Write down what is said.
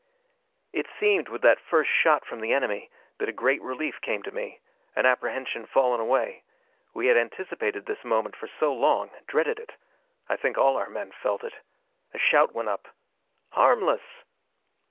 ] It seemed, with that first shot from the enemy, that a great relief came to me an apprehension fallen away. We had anticipated this moment for so long, dreaded it. I think all our men felt it. A shout went up: "Harmless!"